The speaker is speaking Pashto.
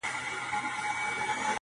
ځه پرېږده وخته نور به مي راويښ کړم